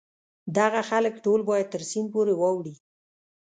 دغه خلک ټول باید تر سیند پورې واوړي.